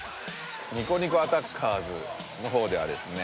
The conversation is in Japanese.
ニコニコアタッカーズのほうではですね